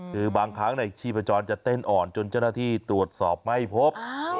คือบางครั้งในชีพจรจะเต้นอ่อนจนเจ้าหน้าที่ตรวจสอบไม่พบ